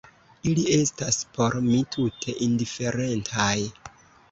Ili estas por mi tute indiferentaj.